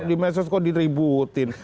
di medsos kok diributin